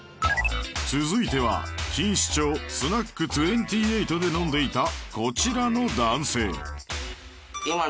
続いては錦糸町 Ｓｎａｃｋ２８ で飲んでいたこちらの男性